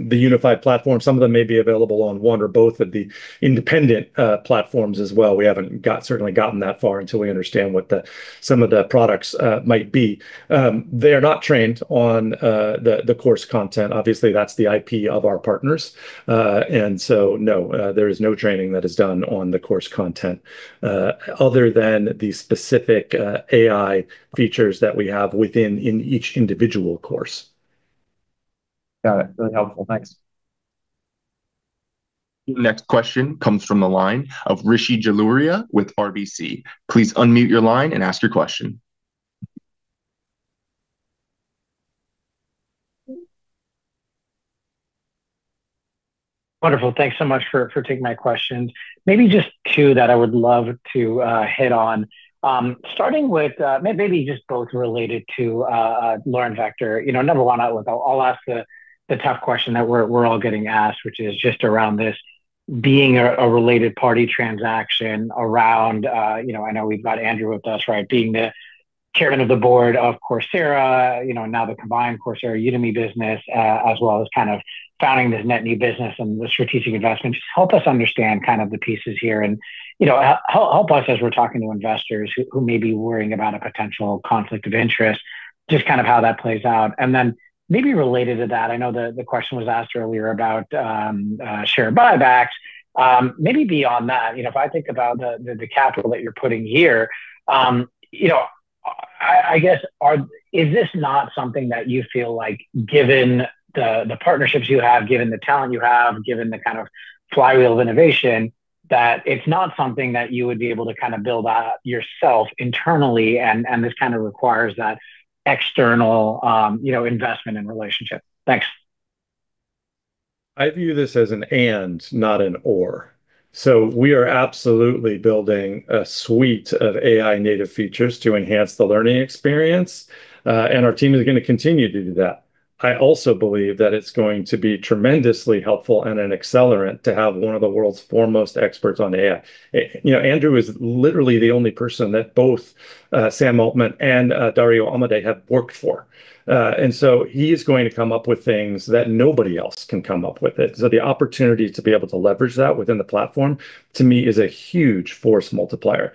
the unified platform. Some of them may be available on one or both of the independent platforms as well. We haven't certainly gotten that far until we understand what some of the products might be. They are not trained on the course content. Obviously, that's the IP of our partners. No, there is no training that is done on the course content other than the specific AI features that we have within each individual course. Got it. Really helpful. Thanks. The next question comes from the line of Rishi Jaluria with RBC. Please unmute your line and ask your question. Wonderful. Thanks so much for taking my questions. Maybe just two that I would love to hit on. Starting with maybe just both related to LearnVector. Number one, I'll ask the tough question that we're all getting asked, which is just around this being a related party transaction around, I know we've got Andrew with us, right, being the chairman of the board of Coursera, now the combined Coursera Udemy business, as well as kind of founding this net new business and the strategic investment. Just help us understand kind of the pieces here and help us as we're talking to investors who may be worrying about a potential conflict of interest, just kind of how that plays out. Maybe related to that, I know the question was asked earlier about share buybacks. Maybe beyond that, if I think about the capital that you're putting here, I guess is this not something that you feel like given the partnerships you have, given the talent you have, given the kind of flywheel of innovation, that it's not something that you would be able to kind of build out yourself internally and this kind of requires that external investment and relationship? Thanks. I view this as an and, not an or. We are absolutely building a suite of AI-native features to enhance the learning experience. Our team is going to continue to do that. I also believe that it's going to be tremendously helpful and an accelerant to have one of the world's foremost experts on AI. Andrew is literally the only person that both Sam Altman and Dario Amodei have worked for. He is going to come up with things that nobody else can come up with it. The opportunity to be able to leverage that within the platform, to me, is a huge force multiplier.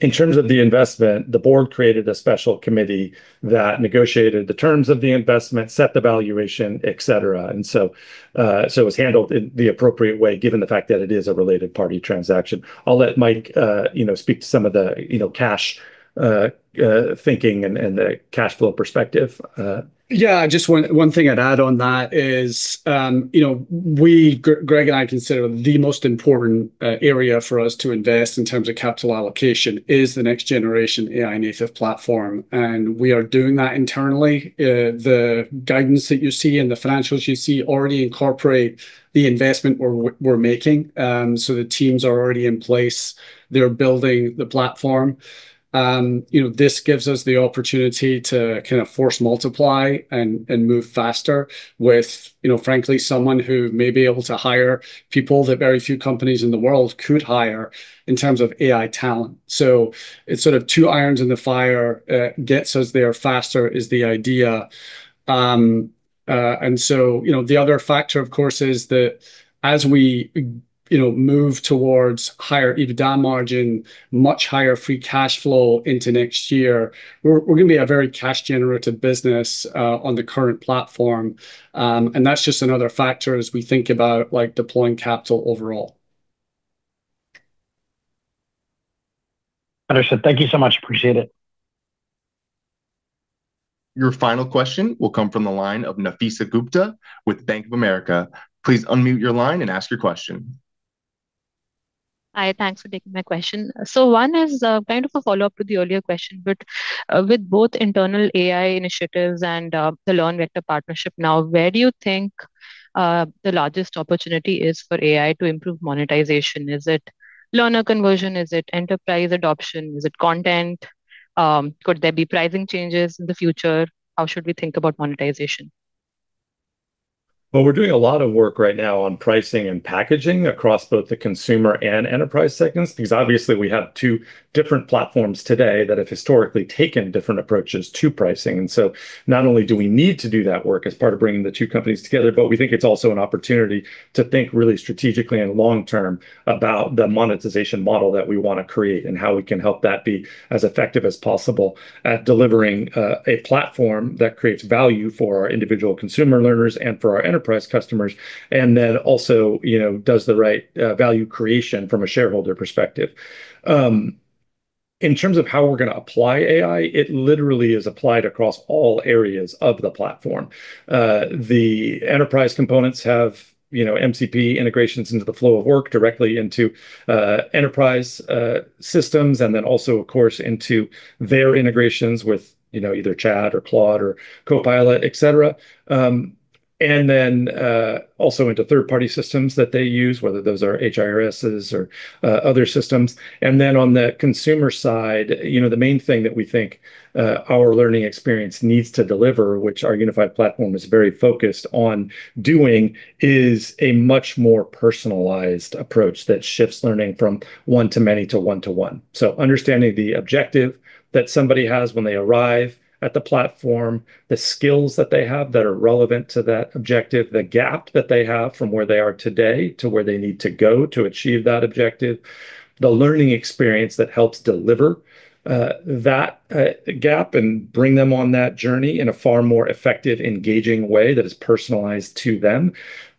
In terms of the investment, the board created a special committee that negotiated the terms of the investment, set the valuation, et cetera. It was handled in the appropriate way, given the fact that it is a related party transaction. I'll let Mike speak to some of the cash thinking and the cash flow perspective. Yeah. Just one thing I'd add on that is Greg and I consider the most important area for us to invest in terms of capital allocation is the next-generation AI-native platform. We are doing that internally. The guidance that you see and the financials you see already incorporate the investment we're making. The teams are already in place. They're building the platform. This gives us the opportunity to kind of force multiply and move faster with, frankly, someone who may be able to hire people that very few companies in the world could hire in terms of AI talent. It's sort of two irons in the fire, gets us there faster is the idea. The other factor, of course, is that as we move towards higher EBITDA margin, much higher free cash flow into next year, we're going to be a very cash generative business on the current platform. That's just another factor as we think about deploying capital overall. Understood. Thank you so much. Appreciate it. Your final question will come from the line of Nafeesa Gupta with Bank of America. Please unmute your line and ask your question. Hi, thanks for taking my question. One is kind of a follow-up to the earlier question, but with both internal AI initiatives and the LearnVector partnership now, where do you think the largest opportunity is for AI to improve monetization? Is it learner conversion? Is it enterprise adoption? Is it content? Could there be pricing changes in the future? How should we think about monetization? We're doing a lot of work right now on pricing and packaging across both the consumer and enterprise segments, because obviously we have two different platforms today that have historically taken different approaches to pricing. Not only do we need to do that work as part of bringing the two companies together, but we think it's also an opportunity to think really strategically and long-term about the monetization model that we want to create and how we can help that be as effective as possible at delivering a platform that creates value for our individual consumer learners and for our enterprise customers, and then also does the right value creation from a shareholder perspective. In terms of how we're going to apply AI, it literally is applied across all areas of the platform. The enterprise components have MCP integrations into the flow of work directly into enterprise systems. Also, of course, into their integrations with either ChatGPT or Claude or Copilot, et cetera. Also into third-party systems that they use, whether those are HRISs or other systems. On the consumer side, the main thing that we think our learning experience needs to deliver, which our unified platform is very focused on doing, is a much more personalized approach that shifts learning from one-to-many to one-to-one. Understanding the objective that somebody has when they arrive at the platform, the skills that they have that are relevant to that objective, the gap that they have from where they are today to where they need to go to achieve that objective, the learning experience that helps deliver that gap and bring them on that journey in a far more effective, engaging way that is personalized to them.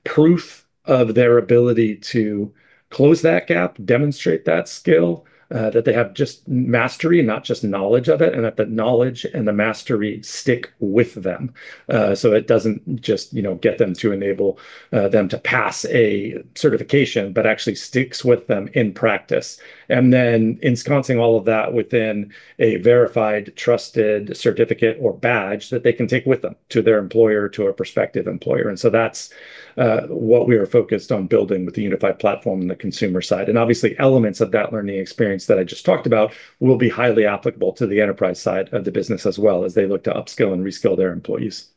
Proof of their ability to close that gap, demonstrate that skill, that they have just mastery, not just knowledge of it, and that the knowledge and the mastery stick with them. It doesn't just get them to enable them to pass a certification, but actually sticks with them in practice. Ensconcing all of that within a verified, trusted certificate or badge that they can take with them to their employer, to a prospective employer. That's what we are focused on building with the unified platform on the consumer side. Obviously, elements of that learning experience that I just talked about will be highly applicable to the enterprise side of the business as well as they look to upskill and reskill their employees.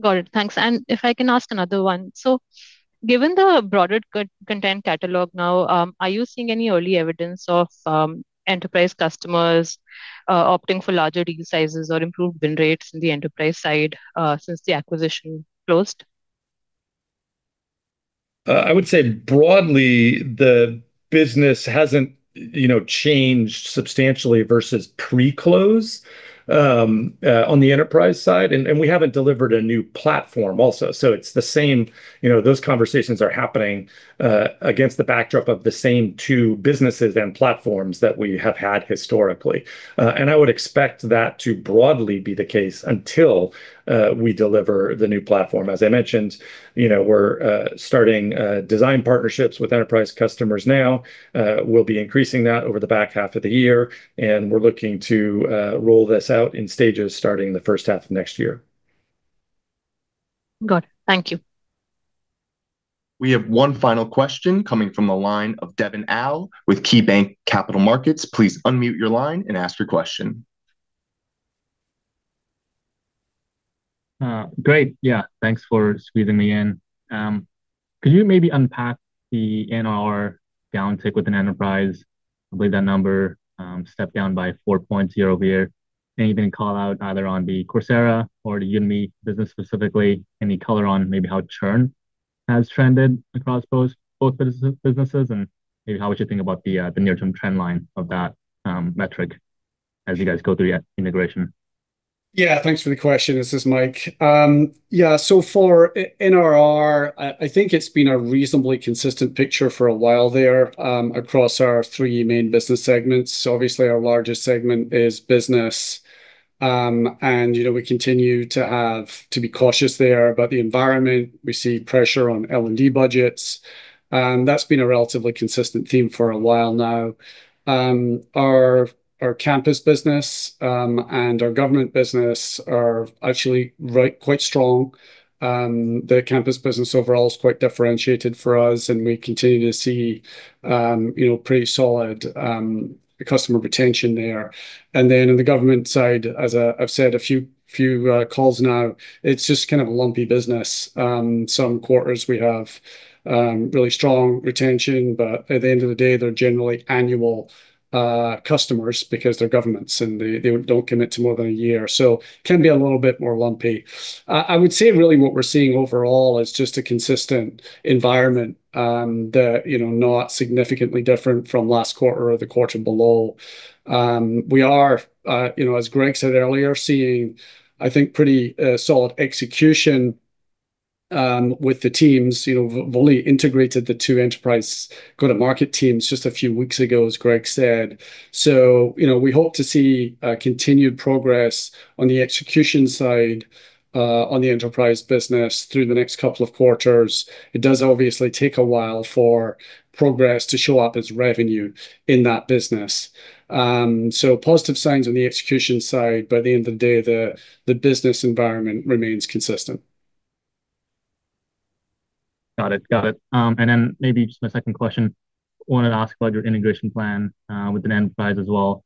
Got it. Thanks. If I can ask another one. Given the broader content catalog now, are you seeing any early evidence of enterprise customers opting for larger deal sizes or improved win rates in the enterprise side since the acquisition closed? I would say broadly, the business hasn't changed substantially versus pre-close on the enterprise side, we haven't delivered a new platform also. It's the same. Those conversations are happening against the backdrop of the same two businesses and platforms that we have had historically. I would expect that to broadly be the case until we deliver the new platform. As I mentioned, we're starting design partnerships with enterprise customers now. We'll be increasing that over the back half of the year, and we're looking to roll this out in stages starting the first half of next year. Got it. Thank you. We have one final question coming from the line of Devin Au with KeyBanc Capital Markets. Please unmute your line and ask your question. Great. Thanks for squeezing me in. Could you maybe unpack the NRR downtick within enterprise? I believe that number stepped down by 4 points year-over-year. Can you even call out either on the Coursera or the Udemy business specifically, any color on maybe how churn has trended across both businesses? Maybe how would you think about the near-term trend line of that metric as you guys go through the integration? Thanks for the question. This is Mike. For NRR, I think it's been a reasonably consistent picture for a while there across our three main business segments. Our largest segment is business, and we continue to be cautious there about the environment. We see pressure on L&D budgets. That's been a relatively consistent theme for a while now. Our campus business and our government business are actually quite strong. The campus business overall is quite differentiated for us, and we continue to see pretty solid customer retention there. In the government side, as I've said a few calls now, it's just kind of a lumpy business. Some quarters we have really strong retention, but at the end of the day, they're generally annual customers because they're governments, and they don't commit to more than a year, so can be a little bit more lumpy. I would say really what we're seeing overall is just a consistent environment that, not significantly different from last quarter or the quarter below. We are, as Greg said earlier, seeing, I think, pretty solid execution with the teams. We've only integrated the two enterprise go-to-market teams just a few weeks ago, as Greg said. We hope to see continued progress on the execution side on the enterprise business through the next couple of quarters. It does obviously take a while for progress to show up as revenue in that business. Positive signs on the execution side. By the end of the day, the business environment remains consistent. Got it. Maybe just my second question, wanted to ask about your integration plan with an enterprise as well,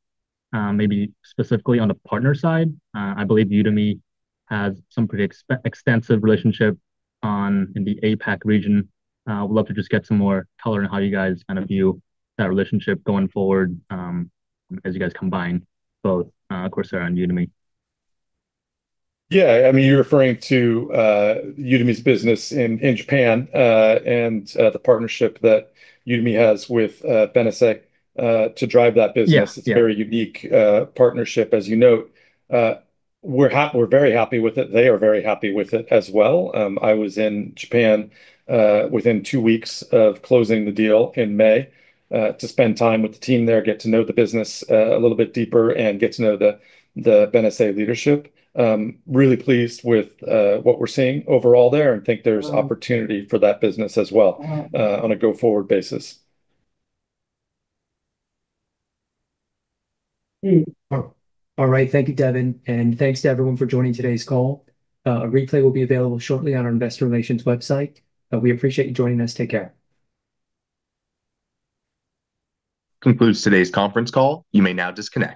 maybe specifically on the partner side. I believe Udemy has some pretty extensive relationship in the APAC region. Would love to just get some more color on how you guys view that relationship going forward as you guys combine both Coursera and Udemy. Yeah. You're referring to Udemy's business in Japan, and the partnership that Udemy has with Benesse to drive that business. Yeah. It's a very unique partnership, as you note. We're very happy with it. They are very happy with it as well. I was in Japan within two weeks of closing the deal in May to spend time with the team there, get to know the business a little bit deeper, and get to know the Benesse leadership. Really pleased with what we're seeing overall there and think there's opportunity for that business as well on a go-forward basis. All right. Thank you, Devin, thanks to everyone for joining today's call. A replay will be available shortly on our investor relations website. We appreciate you joining us. Take care. That concludes today's conference call. You may now disconnect.